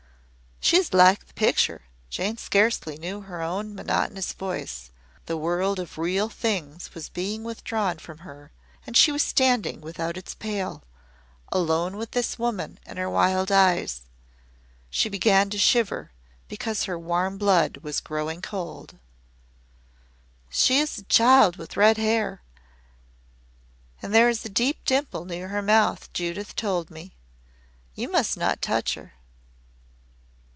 "She is like the picture." Jane scarcely knew her own monotonous voice. The world of real things was being withdrawn from her and she was standing without its pale alone with this woman and her wild eyes. She began to shiver because her warm blood was growing cold. "She is a child with red hair and there is a deep dimple near her mouth. Judith told me. You must not touch her."